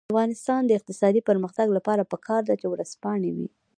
د افغانستان د اقتصادي پرمختګ لپاره پکار ده چې ورځپاڼې وي.